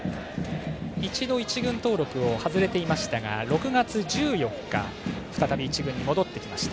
一度１軍登録を外れていましたが６月１４日に再び１軍に戻ってきました。